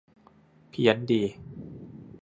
เพี้ยนดี